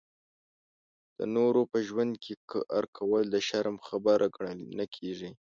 د نورو په ژوند کې کار کول د شرم خبره ګڼل نه کېږي.